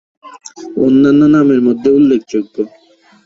অন্যান্য নামের মধ্যে উল্লেখযোগ্য।